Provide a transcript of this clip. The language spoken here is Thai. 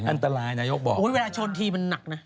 เดี๋ยวก็ต่อกันนะ